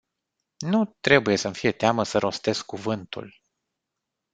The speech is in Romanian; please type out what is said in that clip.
Nu trebuie să-mi fie teamă să rostesc cuvântul...